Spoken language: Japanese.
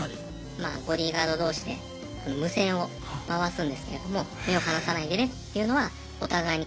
まあボディーガード同士で無線を回すんですけれども目を離さないでねというのはお互いにコンタクトします。